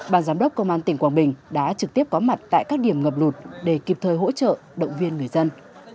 bàn giám đốc công an tỉnh quảng bình đã trực tiếp có mặt tại các điểm ngập lụt để kịp thời hỗ trợ động viên người dân